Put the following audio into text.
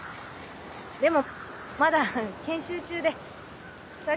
でもまだ研修中でさっき。